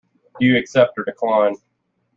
Do you accept or decline?